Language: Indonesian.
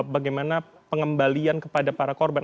bagaimana pengembalian kepada para korban